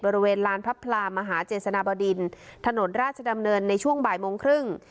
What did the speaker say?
บริเวณลานพระพลามหาเจษณบดินถนนราชดำเนินในช่วงบ่ายโมงครึ่ง